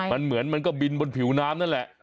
มันเหมือนมันก็บินบนผิวน้ำนั่นแหละ